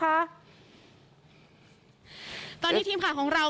คุณภาคภูมิพยายามอยู่ในจุดที่ปลอดภัยด้วยนะคะ